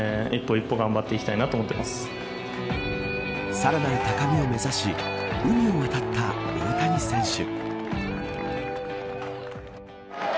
さらなる高みを目指し海を渡った大谷選手。